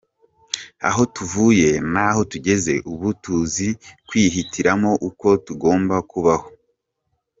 "Aho tuvuye n’aho tugeze ubu, tuzi kwihitiramo uko tugomba kubaho".